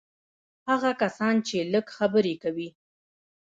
هغه کسان چې لږ خبرې کوي.